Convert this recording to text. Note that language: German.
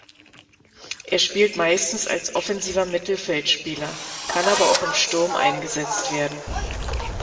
Er spielt meistens als offensiver Mittelfeldspieler, kann aber auch im Sturm eingesetzt werden.